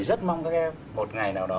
rất mong các em một ngày nào đó